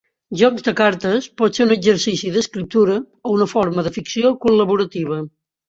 Jocs de cartes pot ser un exercici d'escriptura o una forma de ficció col·laborativa.